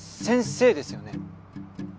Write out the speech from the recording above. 先生ですよね？